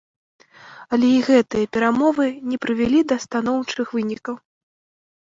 Але і гэтыя перамовы не прывялі да станоўчых вынікаў.